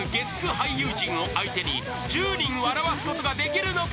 俳優陣を相手に１０人を笑わせることができるのか。